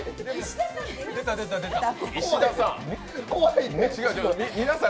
石田さん。